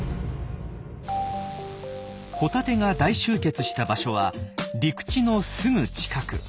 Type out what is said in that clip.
ホタテが大集結した場所は陸地のすぐ近く。